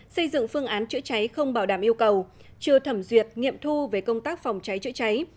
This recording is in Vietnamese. xây dựng phương án chữa cháy không bảo đảm yêu cầu chưa thẩm duyệt nghiệm thu về công tác phòng cháy chữa cháy